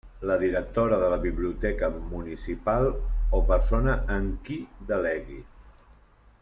La Directora de la Biblioteca Municipal o persona en qui delegui.